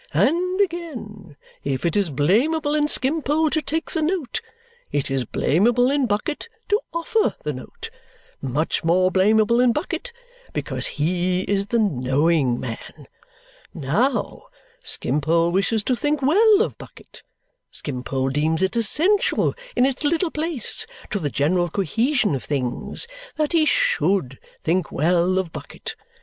And again. If it is blameable in Skimpole to take the note, it is blameable in Bucket to offer the note much more blameable in Bucket, because he is the knowing man. Now, Skimpole wishes to think well of Bucket; Skimpole deems it essential, in its little place, to the general cohesion of things, that he SHOULD think well of Bucket.